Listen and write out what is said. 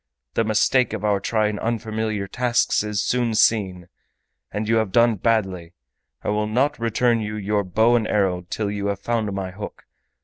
The mistake of our trying unfamiliar tasks is soon seen! And you have done badly. I will not return you your bow and arrow till you have found my hook.